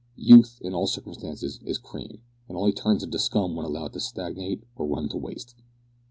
Youth, in all circumstances, is cream, and only turns into scum when allowed to stagnate or run to waste.